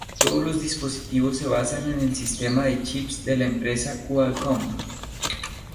Todos los dispositivos se basan en el sistema de chips de la empresa Qualcomm.